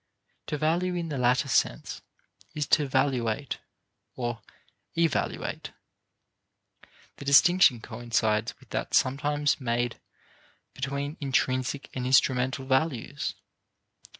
To value in the latter sense is to valuate or evaluate. The distinction coincides with that sometimes made between intrinsic and instrumental values.